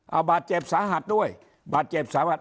เอาบาดเจ็บสาหัสด้วยบาดเจ็บสาหัส